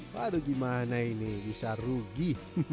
waduh gimana ini bisa rugi